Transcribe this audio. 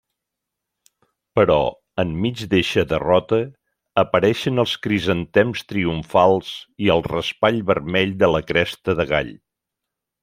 Però, enmig d'eixa derrota, apareixen els crisantems triomfals i el raspall vermell de la cresta de gall.